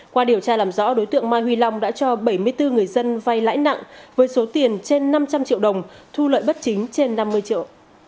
qua điều tra làm rõ đối tượng mai huy long đã cho bảy mươi bốn người dân vay lãi nặng với số tiền trên năm trăm linh triệu đồng thu lợi bất chính trên năm mươi triệu